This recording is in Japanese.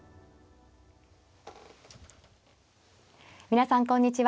皆さんこんにちは。